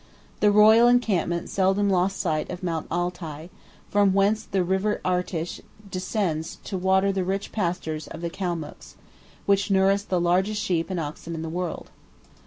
The royal encampment seldom lost sight of Mount Altai, from whence the River Irtish descends to water the rich pastures of the Calmucks, 26 which nourish the largest sheep and oxen in the world.